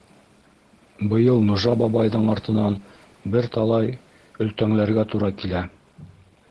Быйыл нужа бабайҙың артынан бер талай өлтәңләргә тура килә.